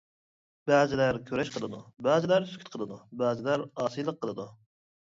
بەزىلەر كۈرەش قىلىدۇ، بەزىلەر سۈكۈت قىلىدۇ، بەزىلەر ئاسىيلىق قىلىدۇ.